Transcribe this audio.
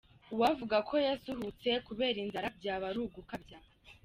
Uwavuga ko yasuhutse kubera inzara byaba ari ugukabya.